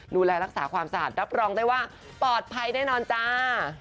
ดูแลรักษาความสะอาดรับรองได้ว่าปลอดภัยแน่นอนจ้า